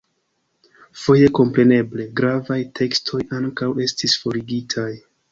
Foje, kompreneble, gravaj tekstoj ankaŭ estis forigitaj.